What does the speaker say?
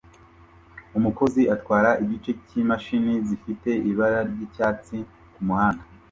Umukozi atwara igice cyimashini zifite ibara ryicyatsi kumuhanda